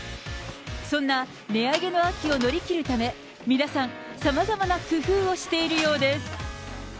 そんな値上げの秋を乗り切るため、皆さん、さまざまな工夫をしているようです。